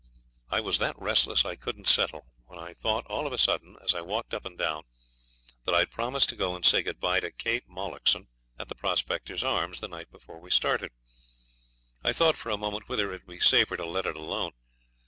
I was that restless I couldn't settle, when I thought, all of a sudden, as I walked up and down, that I had promised to go and say good bye to Kate Mullockson, at the Prospectors' Arms, the night before we started. I thought for a moment whether it would be safer to let it alone.